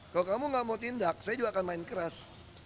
kalau kamu gak mau tindak saya juga akan main keras